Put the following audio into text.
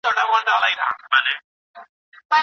ماشومانو ته په زور کتاب مه ورکوئ.